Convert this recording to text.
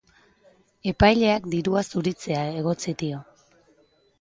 Epaileak dirua zuritzea egotzi dio.